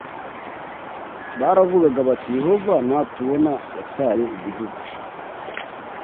Baravugaga bati Yehova ntatubona Yataye igihugu